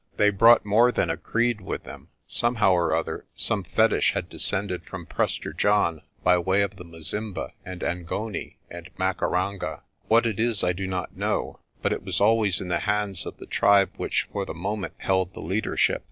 "They brought more than a creed with them. Somehow or other, some fetich had descended from Prester John by way of the Mazimba and Angoni and Makaranga. What it is I do not know, but it was always in the hands of the tribe which for the moment held the leadership.